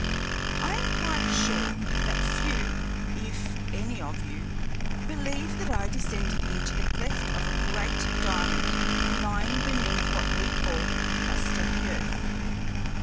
I am quite sure that few, if any of you, believe that I descended into the cleft of a great diamond lying beneath what we call the crust of the earth.